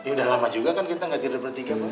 udah lama juga kan kita nggak tidur bertiga